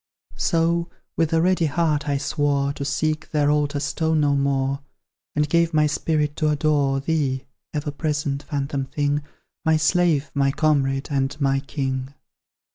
So, with a ready heart, I swore To seek their altar stone no more; And gave my spirit to adore Thee, ever present, phantom thing My slave, my comrade, and my king.